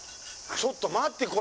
ちょっと待ってこれ。